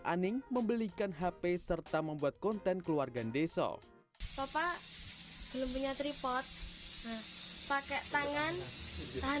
aning membelikan hp serta membuat konten keluarga ndeso bapak belum punya tripod pakai tangan tangan